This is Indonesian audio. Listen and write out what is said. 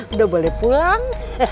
udah boleh pulang